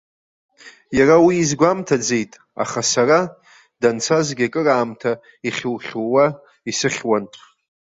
Иара уи изгәамҭаӡеит, аха сара, данцазгьы акыраамҭа ихьухьуа исыхьуан.